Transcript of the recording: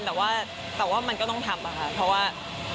แต่ว่ามันก็ต้องทำค่ะเพราะว่า